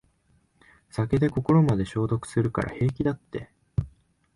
酒で心まで消毒するから平気だって